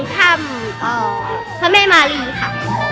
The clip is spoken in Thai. ถ้ำพระแม่มารีค่ะ